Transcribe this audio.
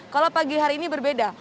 kalau pagi hari ini berbeda